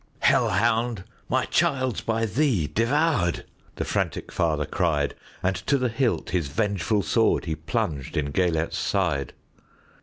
"Hell hound! my child 's by thee devoured,"The frantic father cried; And to the hilt his vengeful swordHe plunged in Gêlert's side.